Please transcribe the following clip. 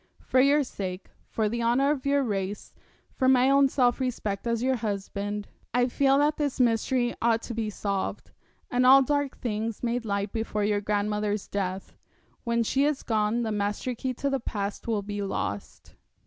For your sake, for the honour of your race, for my own self respect as your husband, I feel that this mystery ought to be solved, and all dark things made light before your grandmother's death. When she is gone the master key to the past will be lost.'